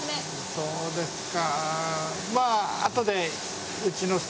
そうですか。